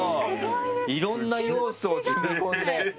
いろんな要素を詰め込んで。